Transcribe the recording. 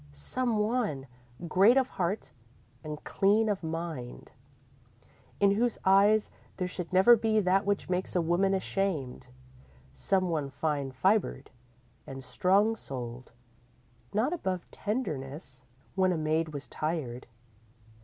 Some one great of heart and clean of mind, in whose eyes there should never be that which makes a woman ashamed. Some one fine fibred and strong souled, not above tenderness when a maid was tired.